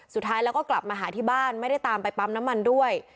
สุดท้ายแล้วก็กลับมาหาที่บ้านไม่ได้ตามไปปั๊มน้ำมันด้วย